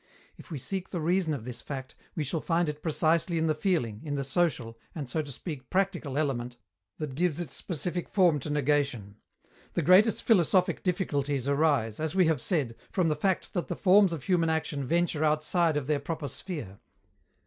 If we seek the reason of this fact, we shall find it precisely in the feeling, in the social and, so to speak, practical element, that gives its specific form to negation. The greatest philosophic difficulties arise, as we have said, from the fact that the forms of human action venture outside of their proper sphere.